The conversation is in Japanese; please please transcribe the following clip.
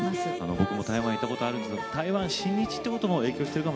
僕も台湾へ行ったことあるんですけども台湾親日ということも影響してるかもしれませんよね。